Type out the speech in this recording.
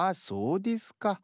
そうですか。